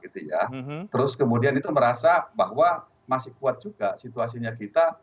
terus kemudian itu merasa bahwa masih kuat juga situasinya kita